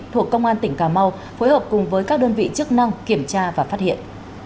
thuộc công an tỉnh cà mau phối hợp cùng với các đơn vị chức năng kiểm tra và phát hiện